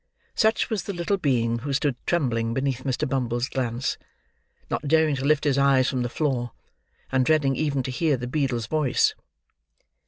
Such was the little being who stood trembling beneath Mr. Bumble's glance; not daring to lift his eyes from the floor; and dreading even to hear the beadle's voice.